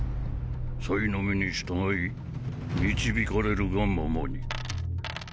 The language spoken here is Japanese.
サイの目に従い導かれるがままに。